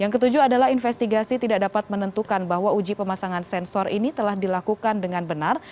yang ketujuh adalah investigasi tidak dapat menentukan bahwa uji pemasangan sensor ini telah dilakukan dengan benar